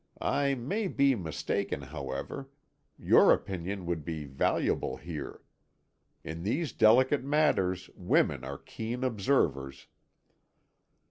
I may be mistaken, however; your opinion would be valuable here; in these delicate matters, women are keen observers."